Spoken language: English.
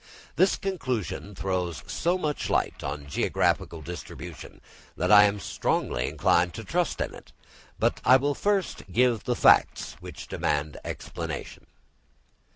This conclusion throws so much light on geographical distribution that I am strongly inclined to trust in it; but I will first give the facts which demand an explanation.